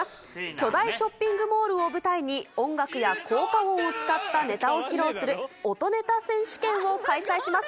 巨大ショッピングモールを舞台に、音楽や効果音を使ったネタを披露する音ネタ選手権を開催します。